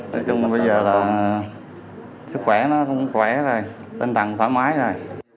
nói chung bây giờ là sức khỏe nó không khỏe rồi tinh thần thoải mái rồi